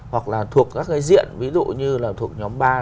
hoặc là thuộc các cái diện ví dụ như là thuộc nhóm ba